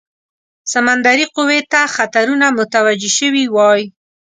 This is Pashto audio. سمندري قوې ته خطرونه متوجه سوي وای.